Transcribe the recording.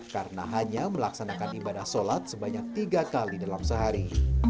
karena hanya melaksanakan ibadah sholat sebanyak tiga kali dalam hari